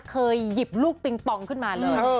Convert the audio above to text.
เคยหยิบลูกปิงปองขึ้นมาเลย